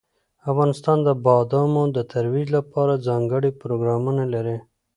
افغانستان د بادامو د ترویج لپاره ځانګړي پروګرامونه لري.